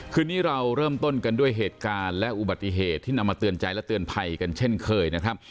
คืนนี้เราเริ่มต้นกันด้วยเหตุการณ์และอุบัติเหตุที่นำมาเตือนใจและเตือนภัยกันเช่นเคยนะครับ